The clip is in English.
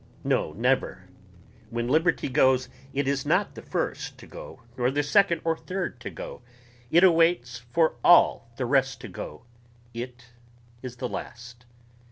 No never. When liberty goes it is not the first to go nor the second or third to go ... it awaits for all the rest to go ... it is the last....